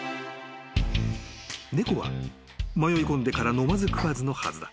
［猫は迷いこんでから飲まず食わずのはずだ］